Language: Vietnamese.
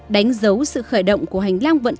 đánh dấu sự khởi động của hành lang